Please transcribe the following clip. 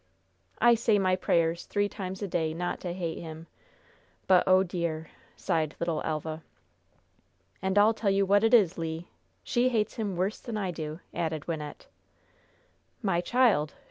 "I say my prayers three times a day not to hate him; but, oh, dear!" sighed little Elva. "And I'll tell you what it is, Le. She hates him worse than I do," added Wynnette. "My child!